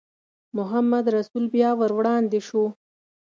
محمدرسول بیا ور وړاندې شو.